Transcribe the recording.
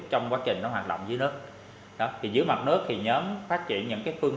trong quá trình nó hoạt động dưới nước thì dưới mặt nước thì nhóm phát triển những cái phương